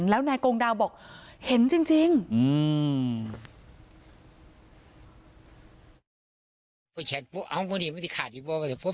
แล้วนายกงดาวบอกเห็นจริงจริงอืม